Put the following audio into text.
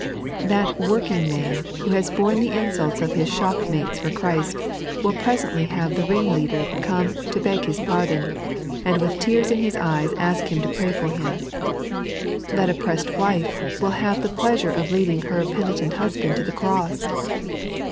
That working man who has borne the Insults of bis abopmates for Christ will presently have the ringleader come to beg his pardon, and with tears in hia eyes ask him to pray for him. Tbat oppressed wife will have the pleasure of leading her penitent husband to the cross.